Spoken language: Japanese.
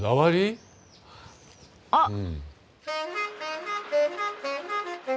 あっ！